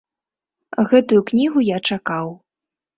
Гэтую кнігу я чакаў.